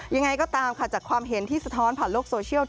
ยังไงก็ตามค่ะจากความเห็นที่สะท้อนผ่านโลกโซเชียล